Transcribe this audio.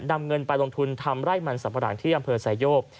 นำเงินไปลงทุนทำไร่มันสัมปะหลังที่อำเภอไซโยก